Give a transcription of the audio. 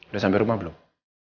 udah sampe rumah belum